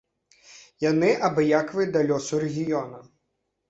Яны абыякавыя да лёсу рэгіёна.